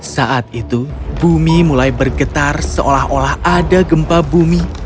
saat itu bumi mulai bergetar seolah olah ada gempa bumi